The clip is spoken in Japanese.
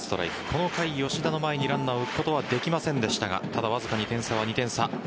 この回、吉田の前にランナーを置くことはできませんでしたがわずかに点差は２点差。